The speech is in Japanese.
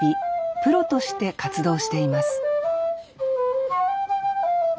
プロとして活動しています